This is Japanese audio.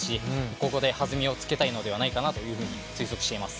ここではずみをつけたいのではないかなと推測しています。